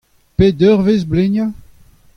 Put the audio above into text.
Pet eurvezh bleinañ ?